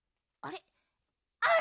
あれ？